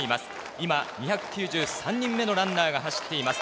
今、２９３人目のランナーが走っています。